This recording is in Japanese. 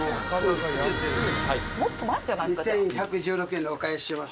２，１１６円のお返しします。